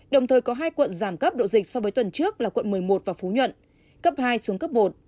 đồng thời có hai quận giảm cấp độ dịch so với tuần trước là quận một mươi một và phú nhuận cấp hai xuống cấp một